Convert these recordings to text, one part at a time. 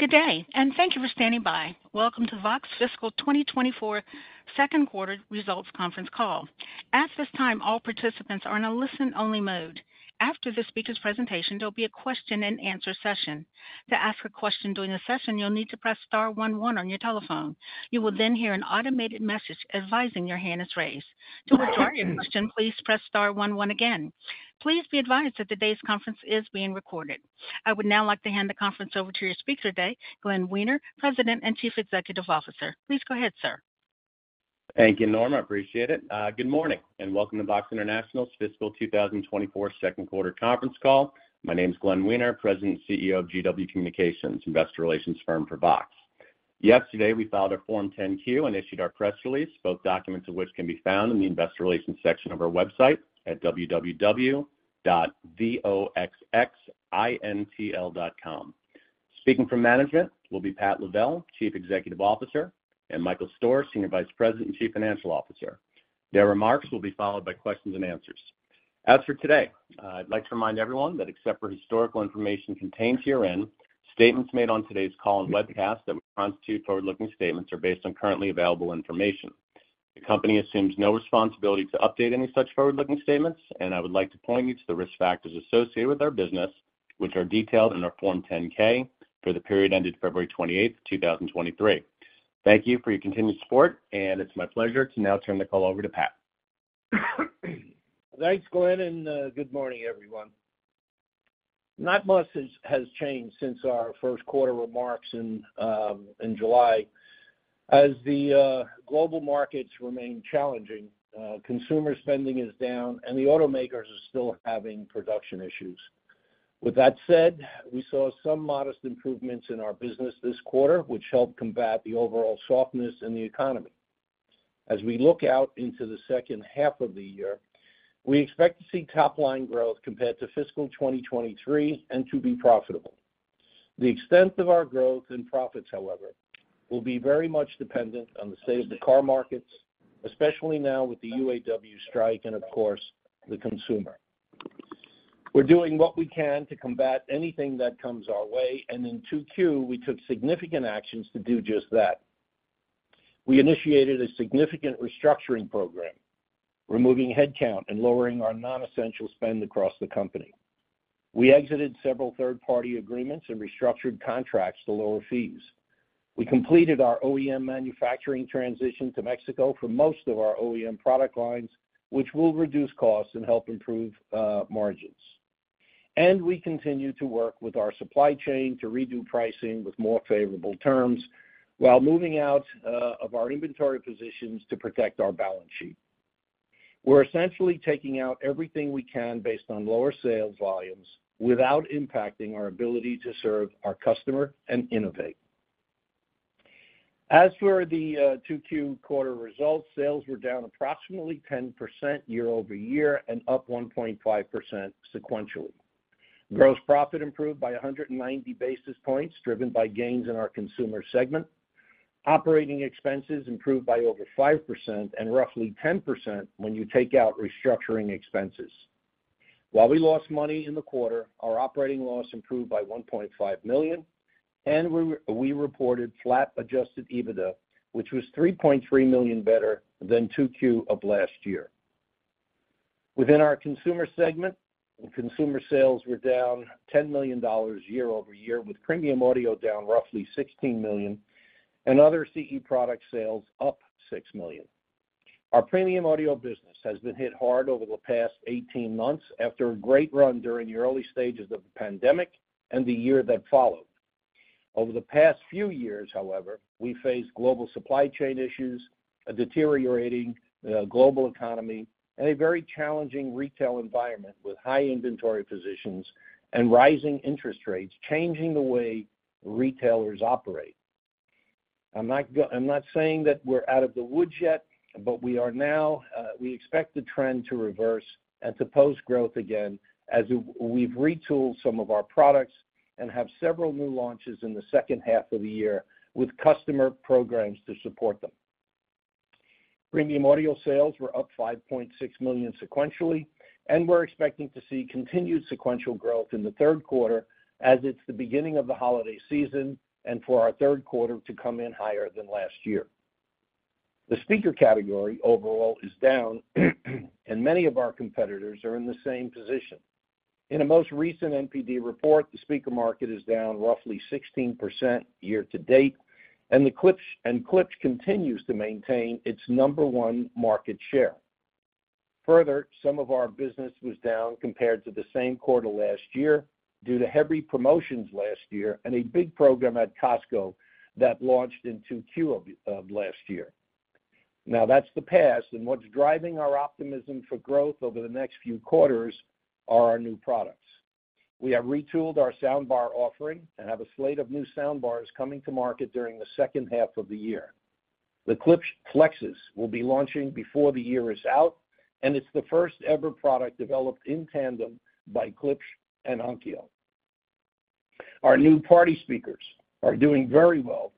Good day, and thank you for standing by. Welcome to VOXX Fiscal 2024 Q2 results conference call. At this time, all participants are in a listen-only mode. After the speaker's presentation, there'll be a question-and-answer session. To ask a question during the session, you'll need to press star one one on your telephone. You will then hear an automated message advising your hand is raised. To withdraw your question, please press star one one again. Please be advised that today's conference is being recorded. I would now like to hand the conference over to your speaker today, Glenn Wiener, President and Chief Executive Officer. Please go ahead, sir. Thank you, Norma. I appreciate it. Good morning, and welcome to VOXX International's Fiscal 2024 second-quarter conference call. My name is Glenn Wiener, President and CEO of GW Communications, investor relations firm for VOXX. Yesterday, we filed a Form 10-Q and issued our press release, both documents of which can be found in the investor relations section of our website at www.voxxintl.com. Speaking from management will be Pat Lavelle, Chief Executive Officer, and Michael Stoehr, Senior Vice President and Chief Financial Officer. Their remarks will be followed by questions and answers. As for today, I'd like to remind everyone that except for historical information contained herein, statements made on today's call and webcast that constitute forward-looking statements are based on currently available information. The company assumes no responsibility to update any such forward-looking statements, and I would like to point you to the risk factors associated with our business, which are detailed in our Form 10-K for the period ended February 28, 2023. Thank you for your continued support, and it's my pleasure to now turn the call over to Pat. Thanks, Glenn, and good morning, everyone. Not much has changed since our Q1 remarks in July. As the global markets remain challenging, consumer spending is down, and the automakers are still having production issues. With that said, we saw some modest improvements in our business this quarter, which helped combat the overall softness in the economy. As we look out into the second half of the year, we expect to see top-line growth compared to fiscal 2023 and to be profitable. The extent of our growth and profits, however, will be very much dependent on the state of the car markets, especially now with the UAW strike and, of course, the consumer. We're doing what we can to combat anything that comes our way, and in Q2, we took significant actions to do just that. We initiated a significant restructuring program, removing headcount and lowering our non-essential spend across the company. We exited several third-party agreements and restructured contracts to lower fees. We completed our OEM manufacturing transition to Mexico for most of our OEM product lines, which will reduce costs and help improve margins. We continue to work with our supply chain to redo pricing with more favorable terms while moving out of our inventory positions to protect our balance sheet. We're essentially taking out everything we can based on lower sales volumes without impacting our ability to serve our customer and innovate. As for the Q2 results, sales were down approximately 10% year-over-year and up 1.5% sequentially. Gross profit improved by 190 basis points, driven by gains in our consumer segment. Operating expenses improved by over 5% and roughly 10% when you take out restructuring expenses. While we lost money in the quarter, our operating loss improved by $1.5 million, and we reported flat adjusted EBITDA, which was $3.3 million better than Q2 of last year. Within our consumer segment, consumer sales were down $10 million year-over-year, with premium audio down roughly $16 million and other CE product sales up $6 million. Our premium audio business has been hit hard over the past 18 months after a great run during the early stages of the pandemic and the year that followed. Over the past few years, however, we faced global supply chain issues, a deteriorating global economy, and a very challenging retail environment, with high inventory positions and rising interest rates changing the way retailers operate. I'm not saying that we're out of the woods yet, but we are now. We expect the trend to reverse and to post growth again as we've retooled some of our products and have several new launches in the second half of the year, with customer programs to support them. Premium audio sales were up $5.6 million sequentially, and we're expecting to see continued sequential growth in the Q3 as it's the beginning of the holiday season, and for our Q3 to come in higher than last year. The speaker category overall is down, and many of our competitors are in the same position. In a most recent NPD report, the speaker market is down roughly 16% year to date, and the Klipsch and Klipsch continues to maintain its number one market share. Further, some of our business was down compared to the same quarter last year due to heavy promotions last year and a big program at Costco that launched in Q2 of last year. Now, that's the past, and what's driving our optimism for growth over the next few quarters are our new products. We have retooled our soundbar offering and have a slate of new soundbars coming to market during the second half of the year. The Klipsch Flexus will be launching before the year is out, and it's the first-ever product developed in tandem by Klipsch and Onkyo. Our new party speakers are doing very well,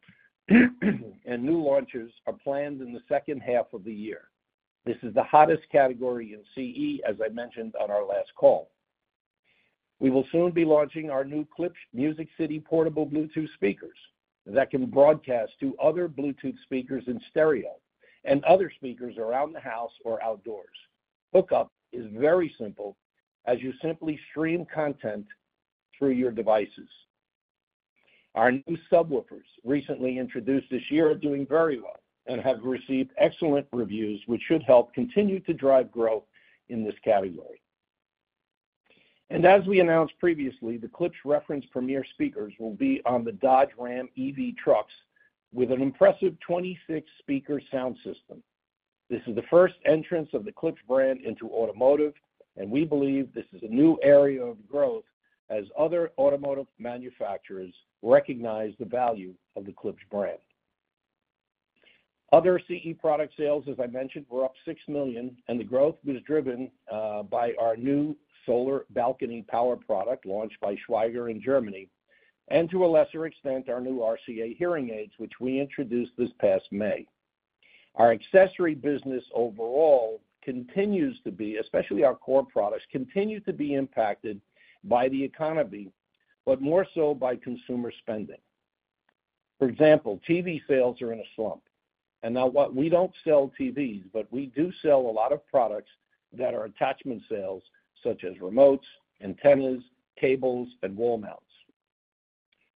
and new launches are planned in the second half of the year. This is the hottest category in CE, as I mentioned on our last call. We will soon be launching our new Klipsch Music City portable Bluetooth speakers that can broadcast to other Bluetooth speakers in stereo and other speakers around the house or outdoors. Hookup is very simple as you simply stream content through your devices. Our new subwoofers, recently introduced this year, are doing very well and have received excellent reviews, which should help continue to drive growth in this category. As we announced previously, the Klipsch Reference Premiere speakers will be on the Dodge Ram EV trucks with an impressive 26 speaker sound system. This is the first entrance of the Klipsch brand into automotive, and we believe this is a new area of growth as other automotive manufacturers recognize the value of the Klipsch brand. Other CE product sales, as I mentioned, were up $6 million, and the growth was driven by our new solar balcony power product launched by Schwaiger in Germany, and to a lesser extent, our new RCA hearing aids, which we introduced this past May. Our accessory business overall continues to be, especially our core products, continue to be impacted by the economy, but more so by consumer spending. For example, TV sales are in a slump, and now while we don't sell TVs, but we do sell a lot of products that are attachment sales, such as remotes, antennas, cables, and wall mounts.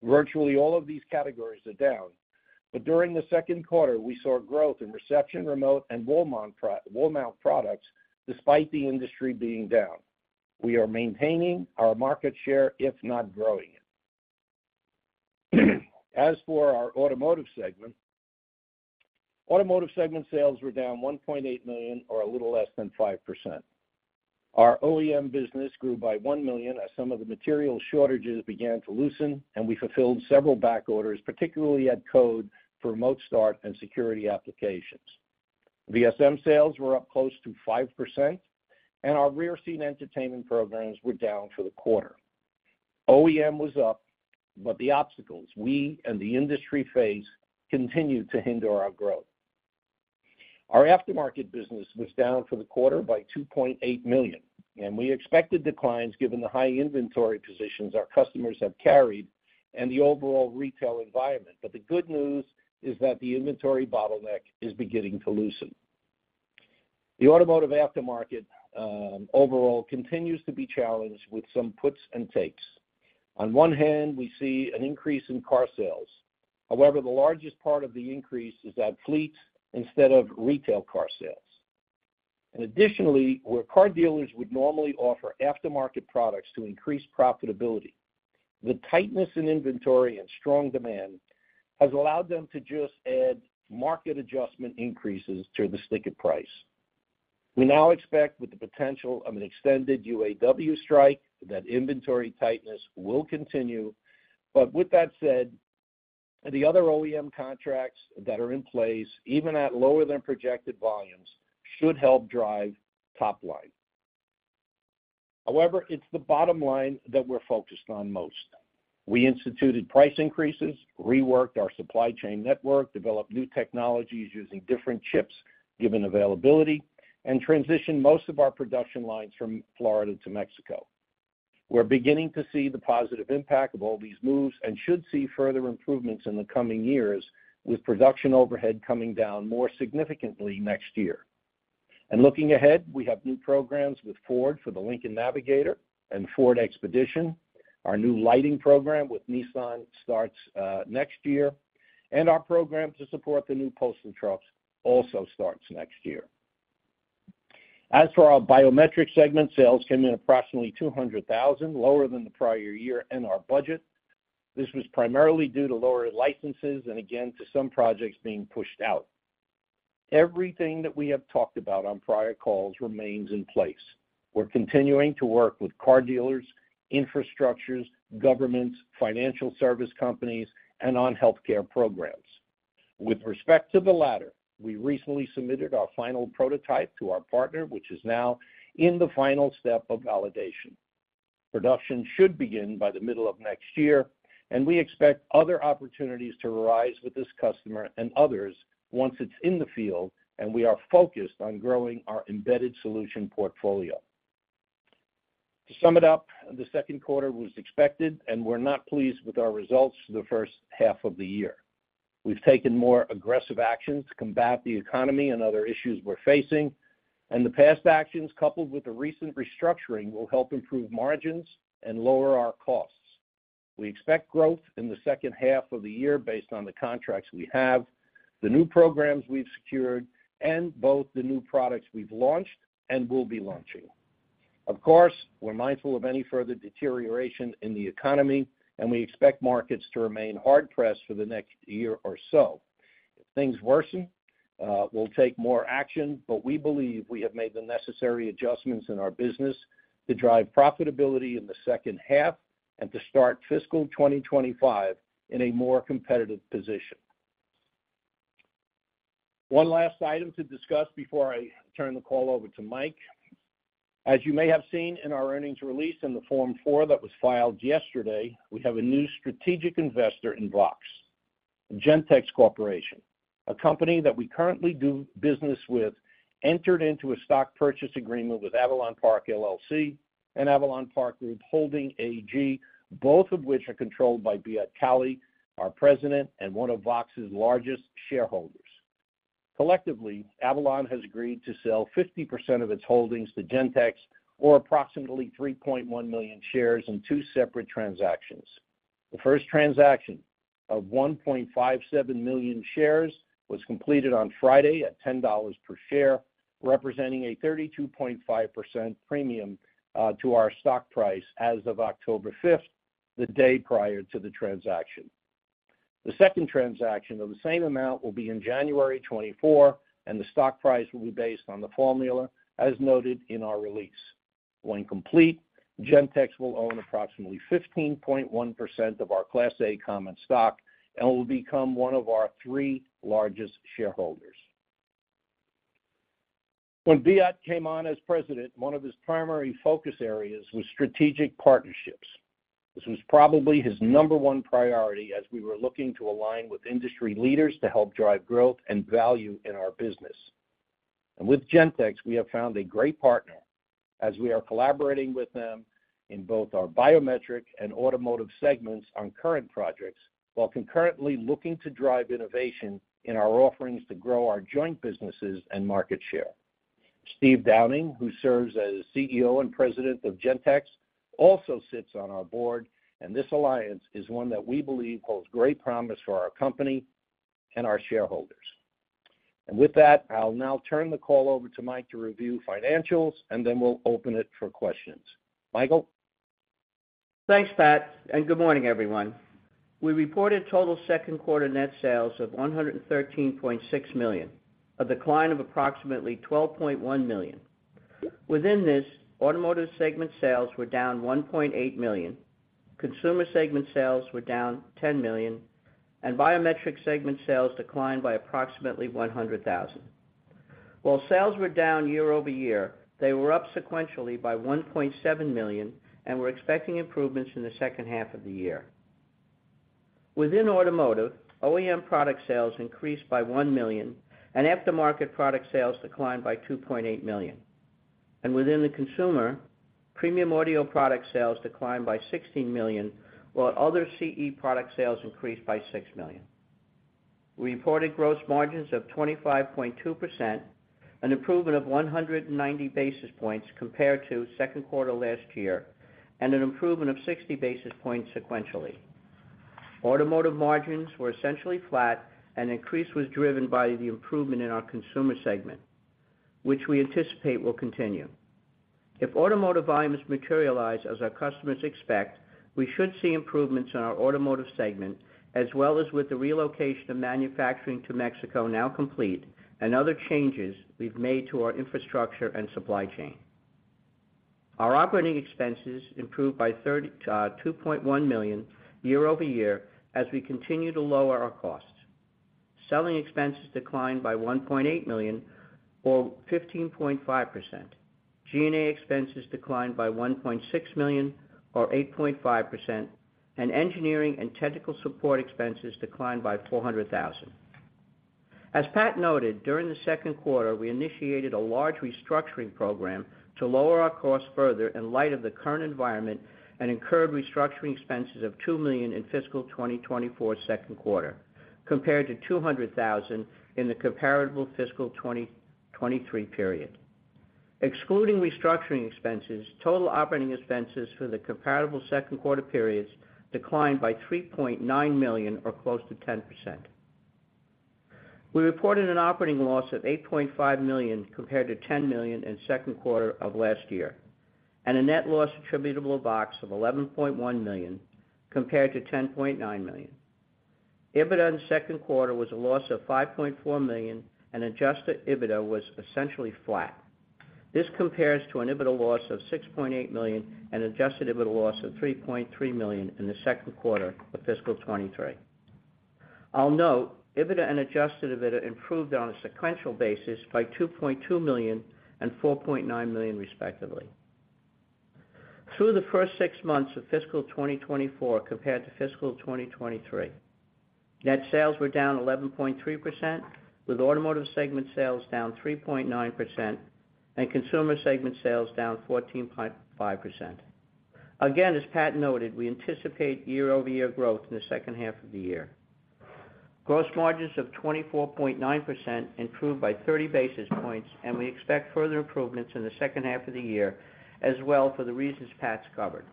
Virtually all of these categories are down, but during the Q2, we saw growth in reception, remote, and wall mount products, despite the industry being down. We are maintaining our market share, if not growing it. As for our automotive segment, automotive segment sales were down $1.8 million or a little less than 5%. Our OEM business grew by $1 million as some of the material shortages began to loosen, and we fulfilled several back orders, particularly at Ford for remote start and security applications. VSM sales were up close to 5%, and our rear seat entertainment programs were down for the quarter. OEM was up, but the obstacles we and the industry face continued to hinder our growth. Our aftermarket business was down for the quarter by $2.8 million, and we expected declines given the high inventory positions our customers have carried and the overall retail environment. But the good news is that the inventory bottleneck is beginning to loosen. The automotive aftermarket overall continues to be challenged with some puts and takes. On one hand, we see an increase in car sales. However, the largest part of the increase is at fleet instead of retail car sales. Additionally, where car dealers would normally offer aftermarket products to increase profitability, the tightness in inventory and strong demand has allowed them to just add market adjustment increases to the sticker price. We now expect, with the potential of an extended UAW strike, that inventory tightness will continue, but with that said, the other OEM contracts that are in place, even at lower than projected volumes, should help drive top line. However, it's the bottom line that we're focused on most. We instituted price increases, reworked our supply chain network, developed new technologies using different chips, given availability, and transitioned most of our production lines from Florida to Mexico. We're beginning to see the positive impact of all these moves and should see further improvements in the coming years, with production overhead coming down more significantly next year. Looking ahead, we have new programs with Ford for the Lincoln Navigator and Ford Expedition. Our new lighting program with Nissan starts next year, and our program to support the new postal trucks also starts next year. As for our biometric segment, sales came in approximately $200,000, lower than the prior year and our budget. This was primarily due to lower licenses and again, to some projects being pushed out. Everything that we have talked about on prior calls remains in place. We're continuing to work with car dealers, infrastructures, governments, financial service companies, and on healthcare programs. With respect to the latter, we recently submitted our final prototype to our partner, which is now in the final step of validation. Production should begin by the middle of next year, and we expect other opportunities to arise with this customer and others once it's in the field, and we are focused on growing our embedded solution portfolio. To sum it up, the Q2 was expected, and we're not pleased with our results for the first half of the year. We've taken more aggressive actions to combat the economy and other issues we're facing, and the past actions, coupled with the recent restructuring, will help improve margins and lower our costs. We expect growth in the second half of the year based on the contracts we have, the new programs we've secured, and both the new products we've launched and will be launching. Of course, we're mindful of any further deterioration in the economy, and we expect markets to remain hard pressed for the next year or so. If things worsen, we'll take more action, but we believe we have made the necessary adjustments in our business to drive profitability in the second half and to start fiscal 2025 in a more competitive position. One last item to discuss before I turn the call over to Mike. As you may have seen in our earnings release and the Form four that was filed yesterday, we have a new strategic investor in VOXX. Gentex Corporation, a company that we currently do business with, entered into a stock purchase agreement with Avalon Park LLC and Avalon Park Group Holding AG, both of which are controlled by Beat Kahli, our President, and one of VOXX's largest shareholders. Collectively, Avalon has agreed to sell 50% of its holdings to Gentex, or approximately $43.1 million shares in two separate transactions. The first transaction of $1.57 million shares was completed on Friday at $10 per share, representing a 32.5% premium to our stock price as of 5 October, the day prior to the transaction. The second transaction of the same amount will be in January 2024, and the stock price will be based on the formula as noted in our release. When complete, Gentex will own approximately 15.1% of our Class A Common Stock and will become one of our three largest shareholders. When Beat came on as president, one of his primary focus areas was strategic partnerships. This was probably his number one priority as we were looking to align with industry leaders to help drive growth and value in our business. And with Gentex, we have found a great partner as we are collaborating with them in both our biometric and automotive segments on current projects, while concurrently looking to drive innovation in our offerings to grow our joint businesses and market share. Steve Downing, who serves as CEO and President of Gentex, also sits on our board, and this alliance is one that we believe holds great promise for our company and our shareholders. And with that, I'll now turn the call over to Mike to review financials, and then we'll open it for questions. Michael? Thanks, Pat, and good morning, everyone. We reported total Q2 net sales of $113.6 million, a decline of approximately $12.1 million. Within this, automotive segment sales were down $1.8 million, consumer segment sales were down $10 million, and biometric segment sales declined by approximately $100,000. While sales were down year-over-year, they were up sequentially by $1.7 million and we're expecting improvements in the second half of the year. Within automotive, OEM product sales increased by $1 million, and aftermarket product sales declined by $2.8 million. Within the consumer, premium audio product sales declined by $16 million, while other CE product sales increased by $6 million. We reported gross margins of 25.2%, an improvement of 190 basis points compared to Q2 last year, and an improvement of 60 basis points sequentially. Automotive margins were essentially flat, and increase was driven by the improvement in our consumer segment, which we anticipate will continue. If automotive volumes materialize as our customers expect, we should see improvements in our automotive segment, as well as with the relocation of manufacturing to Mexico now complete, and other changes we've made to our infrastructure and supply chain. Our operating expenses improved by $32.1 million year-over-year as we continue to lower our costs. Selling expenses declined by $1.8 million, or 15.5%. G&A expenses declined by $1.6 million, or 8.5%, and engineering and technical support expenses declined by $400,000. As Pat noted, during the Q2, we initiated a large restructuring program to lower our costs further in light of the current environment, and incurred restructuring expenses of $2 million in fiscal 2024 Q2, compared to $200,000 in the comparable fiscal 2023 period. Excluding restructuring expenses, total operating expenses for the comparable Q2 periods declined by $3.9 million or close to 10%. We reported an operating loss of $8.5 million, compared to $10 million in Q2 of last year, and a net loss attributable to VOXX of $11.1 million, compared to $10.9 million. EBITDA in the Q2 was a loss of $5.4 million, and adjusted EBITDA was essentially flat. This compares to an EBITDA loss of $6.8 million and adjusted EBITDA loss of $3.3 million in the Q2 of fiscal 2023. I'll note EBITDA and adjusted EBITDA improved on a sequential basis by $2.2 million and $4.9 million, respectively. Through the first six months of fiscal 2024 compared to fiscal 2023, net sales were down 11.3%, with automotive segment sales down 3.9% and consumer segment sales down 14.5%. Again, as Pat noted, we anticipate year-over-year growth in the second half of the year. Gross margins of 24.9% improved by 30 basis points, and we expect further improvements in the second half of the year as well, for the reasons Pat's covered.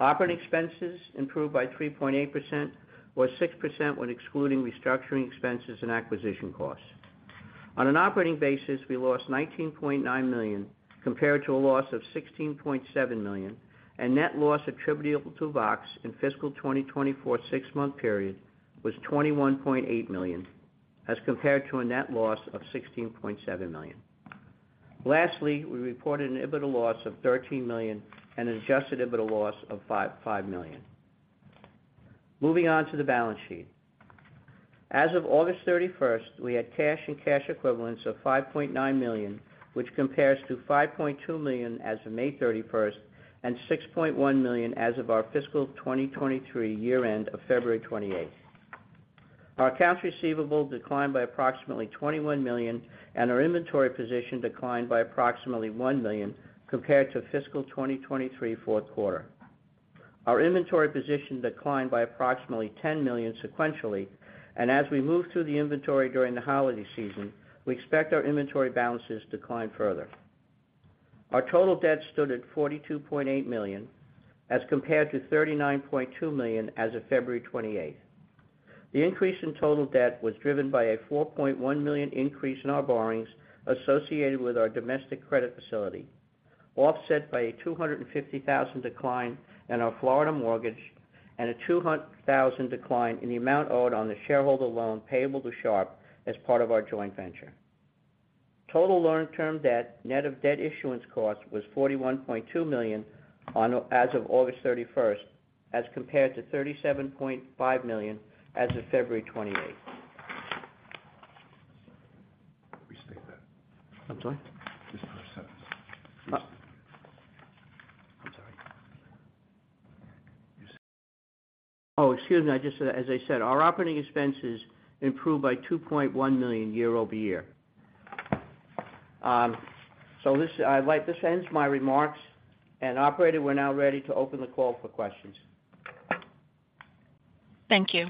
Operating expenses improved by 3.8% or 6% when excluding restructuring expenses and acquisition costs. On an operating basis, we lost $19.9 million, compared to a loss of $16.7 million, and net loss attributable to VOXX in fiscal 2024 six-month period was $21.8 million, as compared to a net loss of $16.7 million. Lastly, we reported an EBITDA loss of $13 million and an adjusted EBITDA loss of $5.5 million. Moving on to the balance sheet. As of 31 August, we had cash and cash equivalents of $5.9 million, which compares to $5.2 million as of 31 May, and $6.1 million as of our fiscal 2023 year-end of 28 February. Our accounts receivable declined by approximately $21 million, and our inventory position declined by approximately $1 million compared to fiscal 2023 fourth quarter. Our inventory position declined by approximately $10 million sequentially, and as we move through the inventory during the holiday season, we expect our inventory balances to decline further. Our total debt stood at $42.8 million, as compared to $39.2 million as of 28 February. The increase in total debt was driven by a $4.1 million increase in our borrowings associated with our domestic credit facility, offset by a $250,000 decline in our Florida mortgage and a $200,000 decline in the amount owed on the shareholder loan payable to Sharp as part of our joint venture. Total long-term debt, net of debt issuance costs, was $41.2 million as of 31 August, as compared to $37.5 million as of 28 February. Restate that. I'm sorry? This last sentence. Oh, I'm sorry. You said. Oh, excuse me. I just said, as I said, our operating expenses improved by $2.1 million year-over-year. So this, like, this ends my remarks. Operator, we're now ready to open the call for questions. Thank you.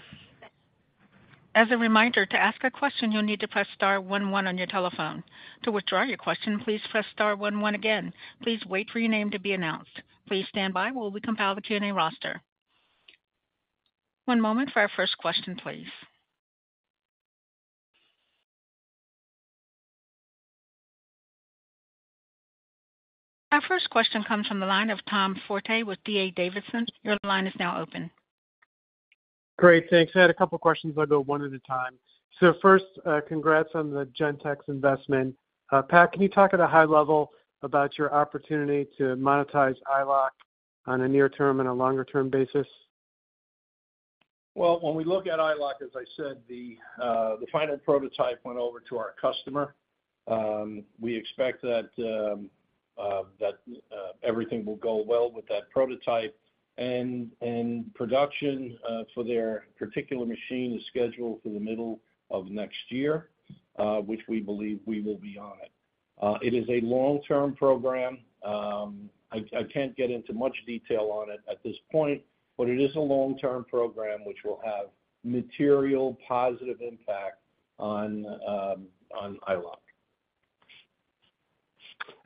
As a reminder, to ask a question, you'll need to press star one one on your telephone. To withdraw your question, please press star one one again. Please wait for your name to be announced. Please stand by while we compile the Q&A roster. One moment for our first question, please. Our first question comes from the line of Tom Forte with D.A. Davidson. Your line is now open. Great, thanks. I had a couple questions. I'll go one at a time. So first, congrats on the Gentex investment. Pat, can you talk at a high level about your opportunity to monetize EyeLock on a near-term and a longer-term basis? Well, when we look at EyeLock, as I said, the final prototype went over to our customer. We expect that everything will go well with that prototype, and production for their particular machine is scheduled for the middle of next year, which we believe we will be on it. It is a long-term program. I can't get into much detail on it at this point, but it is a long-term program, which will have material positive impact on EyeLock.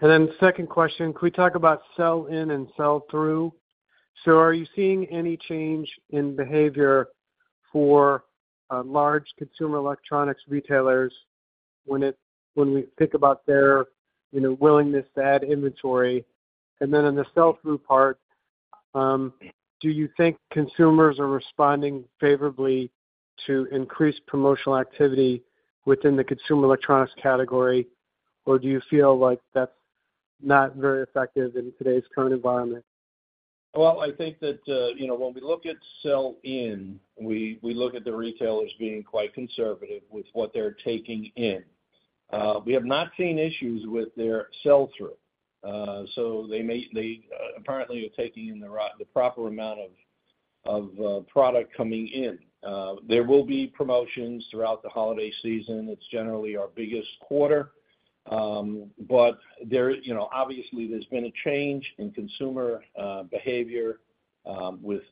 And then second question, could we talk about sell-in and sell-through? So are you seeing any change in behavior for large consumer electronics retailers when we think about their, you know, willingness to add inventory? And then on the sell-through part, do you think consumers are responding favorably to increased promotional activity within the consumer electronics category, or do you feel like that's not very effective in today's current environment? Well, I think that, you know, when we look at sell-in, we look at the retailers being quite conservative with what they're taking in. We have not seen issues with their sell-through. So they apparently are taking in the proper amount of product coming in. There will be promotions throughout the holiday season. It's generally our biggest quarter. But there is, you know, obviously, there's been a change in consumer behavior with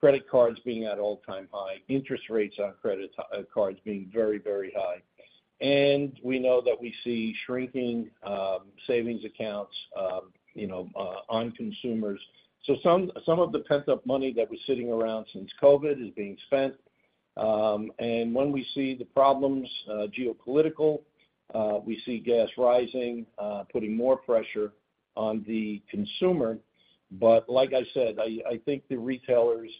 credit cards being at all-time high, interest rates on credit card cards being very, very high. And we know that we see shrinking savings accounts, you know, on consumers. So some of the pent-up money that was sitting around since COVID is being spent. And when we see the problems, geopolitical, we see gas rising, putting more pressure on the consumer. But like I said, I think the retailers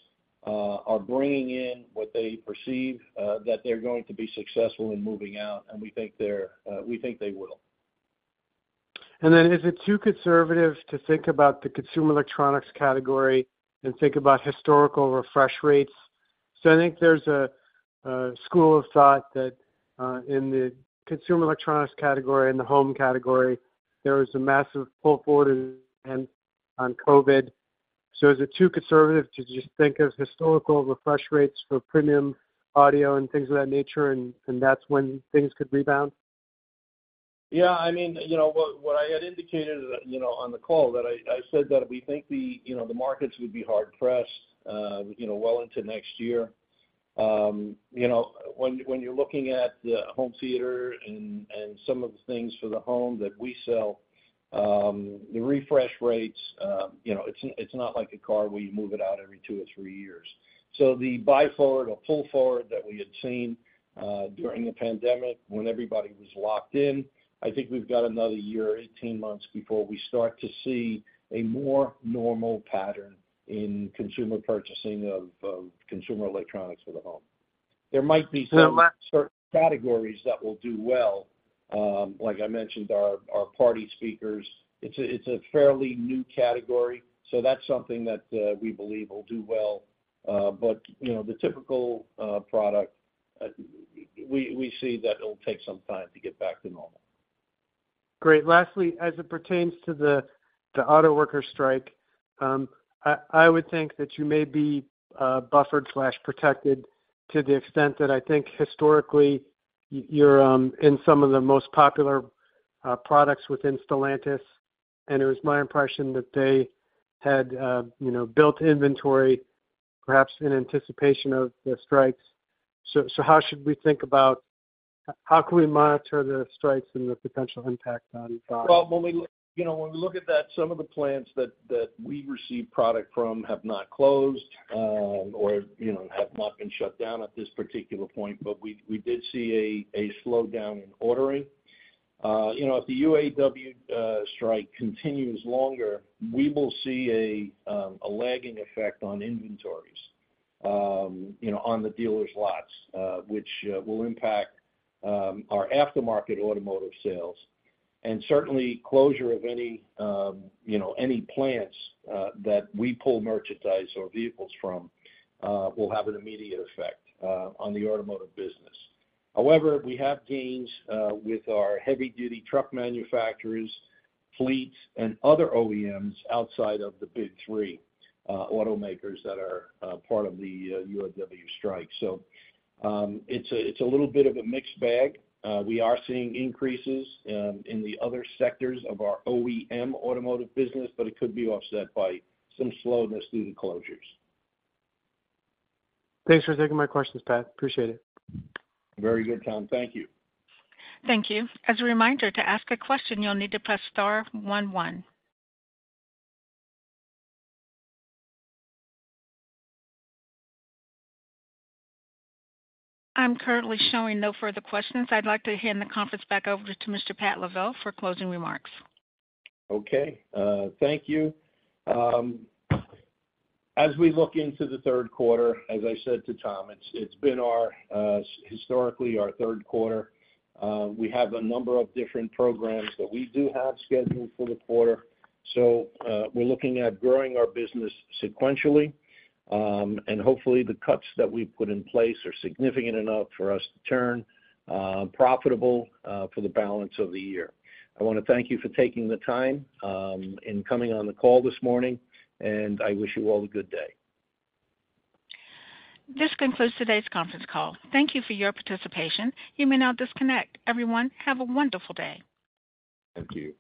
are bringing in what they perceive that they're going to be successful in moving out, and we think they will. And then, is it too conservative to think about the consumer electronics category and think about historical refresh rates? So I think there's a school of thought that in the consumer electronics category and the home category, there was a massive pull forward in on COVID. So is it too conservative to just think of historical refresh rates for premium audio and things of that nature, and that's when things could rebound? Yeah, I mean, you know what, what I had indicated, you know, on the call, that I, I said that we think the, you know, the markets would be hard pressed, you know, well into next year. You know, when you're looking at the home theater and, and some of the things for the home that we sell, the refresh rates, you know, it's, it's not like a car where you move it out every two or three years. So the buy forward or pull forward that we had seen during the pandemic when everybody was locked in, I think we've got another year or 18 months before we start to see a more normal pattern in consumer purchasing of, of consumer electronics for the home... there might be some certain categories that will do well. Like I mentioned, our party speakers, it's a fairly new category, so that's something that we believe will do well. But, you know, the typical product, we see that it'll take some time to get back to normal. Great. Lastly, as it pertains to the auto worker strike, I would think that you may be buffered slash protected to the extent that I think historically, you're in some of the most popular products within Stellantis, and it was my impression that they had you know built inventory perhaps in anticipation of the strikes. So how should we think about how can we monitor the strikes and the potential impact on Well, when we, you know, when we look at that, some of the plants that we receive product from have not closed or have not been shut down at this particular point, but we did see a slowdown in ordering. You know, if the UAW strike continues longer, we will see a lagging effect on inventories, you know, on the dealers' lots, which will impact our aftermarket automotive sales. Certainly, closure of any, you know, any plants that we pull merchandise or vehicles from will have an immediate effect on the automotive business. However, we have gains with our heavy-duty truck manufacturers, fleets, and other OEMs outside of the big three automakers that are part of the UAW strike. So, it's a little bit of a mixed bag. We are seeing increases in the other sectors of our OEM automotive business, but it could be offset by some slowness due to closures. Thanks for taking my questions, Pat. Appreciate it. Very good, Tom. Thank you. Thank you. As a reminder, to ask a question, you'll need to press star one, one. I'm currently showing no further questions. I'd like to hand the conference back over to Mr. Pat Lavelle for closing remarks. Okay, thank you. As we look into the Q3, as I said to Tom, it's been our historically our Q3. We have a number of different programs that we do have scheduled for the quarter. We're looking at growing our business sequentially, and hopefully, the cuts that we've put in place are significant enough for us to turn profitable for the balance of the year. I wanna thank you for taking the time in coming on the call this morning, and I wish you all a good day. This concludes today's conference call. Thank you for your participation. You may now disconnect. Everyone, have a wonderful day. Thank you.